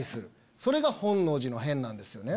それが本能寺の変なんですよね。